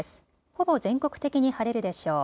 ほぼ全国的に晴れるでしょう。